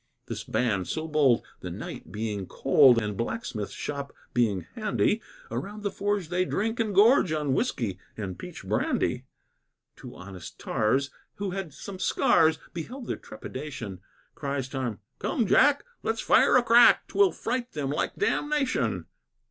This band so bold, the night being cold, And blacksmith's shop being handy, Around the forge they drink and gorge On whiskey and peach brandy. Two honest tars, who had some scars, Beheld their trepidation; Cries Tom, "Come, Jack, let's fire a crack; 'Twill fright them like damnation.